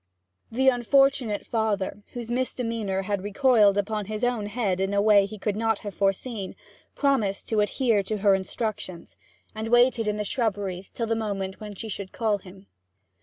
The unfortunate father, whose misdemeanour had recoiled upon his own head in a way he could not have foreseen, promised to adhere to her instructions, and waited in the shrubberies till the moment when she should call him.